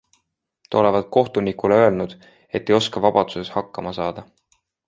Ta olevat kohtunikule öelnud, et ei oska vabaduses hakkama saada.